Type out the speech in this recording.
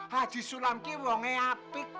haji sulam itu orangnya apik